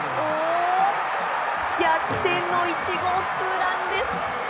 逆転の１号ツーランです。